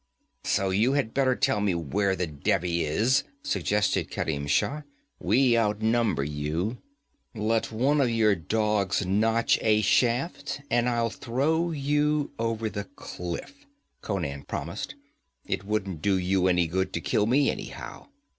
'So you had better tell me where the Devi is,' suggested Kerim Shah. 'We outnumber you ' 'Let one of your dogs nock a shaft and I'll throw you over the cliff,' Conan promised. 'It wouldn't do you any good to kill me, anyhow.